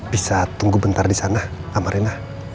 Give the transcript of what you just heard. bisa tunggu bentar di sana sama rena